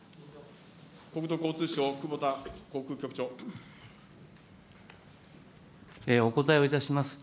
国土交通省、お答えをいたします。